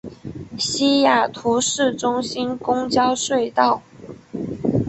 西雅图市中心公交隧道。